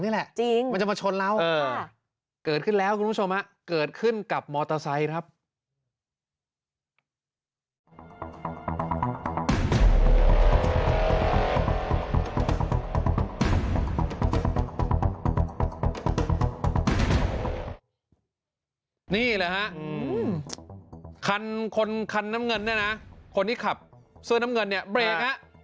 นี่แหละฮะคันคนคันน้ำเงินเนี่ยนะคนที่ขับเสื้อน้ำเงินเนี่ยเบรกฮะ